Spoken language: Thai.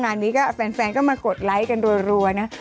งานนี้ก็แฟนก็มากดไลค์กันรัวนะ